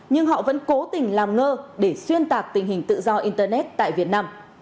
nhưng họ vẫn cố tình làm ngơ để xuyên tạc tình hình tự do internet tại việt nam